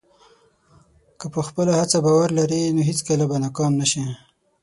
که په خپله هڅه باور لرې، نو هېڅکله به ناکام نه شې.